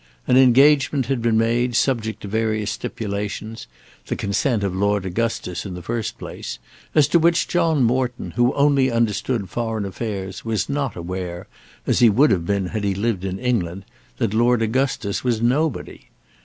An engagement had been made, subject to various stipulations; the consent of Lord Augustus in the first place, as to which John Morton who only understood foreign affairs was not aware, as he would have been had he lived in England, that Lord Augustus was nobody.